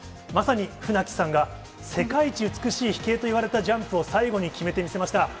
まさに船木さんが世界一美しい飛型といわれたジャンプを最後に決めてみせました。